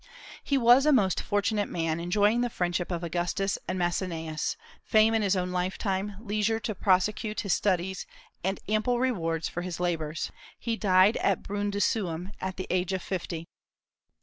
He was a most fortunate man, enjoying the friendship of Augustus and Maecenas, fame in his own lifetime, leisure to prosecute his studies, and ample rewards for his labors. He died at Brundusium at the age of fifty.